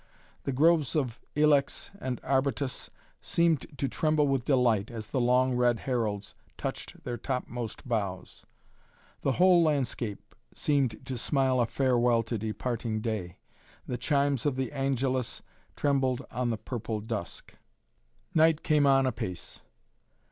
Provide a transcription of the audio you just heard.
The groves of ilex and arbutus seemed to tremble with delight, as the long red heralds touched their topmost boughs. The whole landscape seemed to smile a farewell to departing day. The chimes of the Angelus trembled on the purple dusk. Night came on apace.